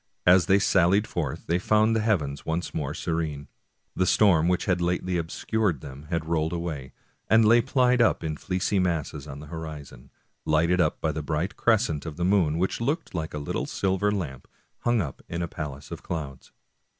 As they sallied forth they found the heavens once more se rene. The storm which had lately obscured them had rolled away, and lay piled up in fleecy masses on the horizon, lighted up by the bright crescent of the moon, which looked like a little silver lamp hung up in a palace of clouds.